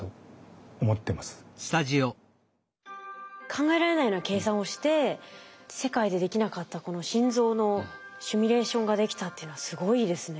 考えられないような計算をして世界でできなかったこの心臓のシミュレーションができたっていうのはすごいですね。